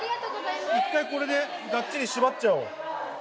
一回これで、がっちり縛っちゃお